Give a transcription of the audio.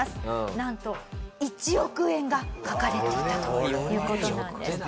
なんと１億円が書かれていたという事なんです。